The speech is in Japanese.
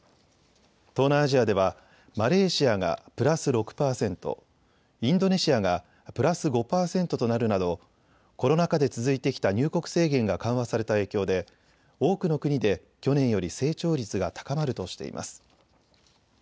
東南アジアではマレーシアがプラス６％、インドネシアがプラス５％となるなどコロナ禍で続いてきた入国制限が緩和された影響で多くの国で去年より成長率が高まるとしています。